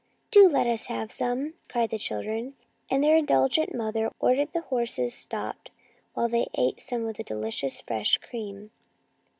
" Do let us have some," cried the children, and their indulgent mother ordered the horses stopped while they ate some of the delicious fresh cream.